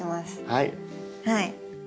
はい。